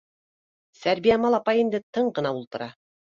Сәрбиямал апай инде тын ғына ултыра